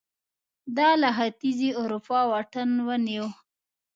دا له ختیځې اروپا واټن ونیو